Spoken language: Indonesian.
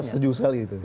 saya setuju sekali